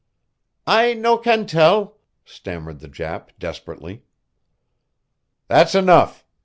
"I no can tell," stammered the Jap, desperately. "That's enough!"